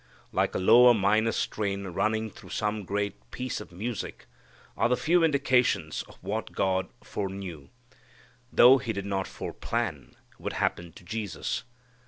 Like a lower minor strain running through some great piece of music are the few indications of what God fore_knew_, though He did not foreplan, would happen to Jesus.